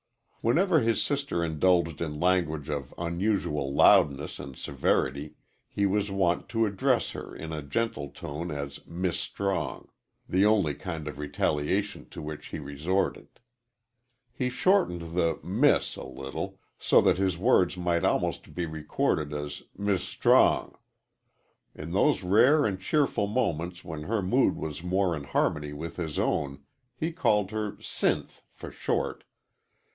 Whenever his sister indulged in language of unusual loudness and severity he was wont to address her in a gentle tone as "Mis' Strong" the only kind of retaliation to which he resorted. He shortened the "Miss" a little, so that his words might almost be recorded as "Mi' Strong." In those rare and cheerful moments when her mood was more in harmony with his own he called her "Sinth" for short.